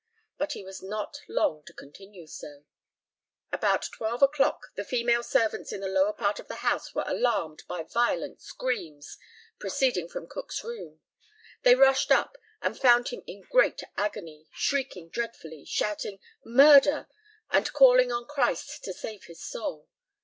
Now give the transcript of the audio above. But he was not long to continue so. About twelve o'clock the female servants in the lower part of the house were alarmed by violent screams, proceeding from Cook's room. They rushed up, and found him in great agony, shrieking dreadfully, shouting "Murder!" and calling on Christ to save his soul.